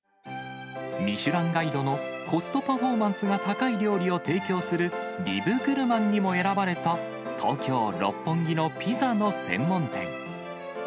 ミシュランガイドのコストパフォーマンスが高い料理を提供する、ビブグルマンにも選ばれた、東京・六本木のピザの専門店。